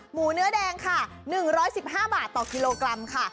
หมูเนื้อแดงค่ะ๑๑๕บาทต่อกิโลกรัมค่ะ